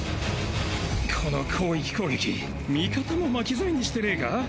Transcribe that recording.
この広域攻撃味方も巻き添えにしてねェか！？